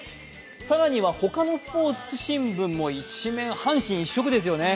更には、ほかのスポーツ新聞も一面阪神一色ですよね。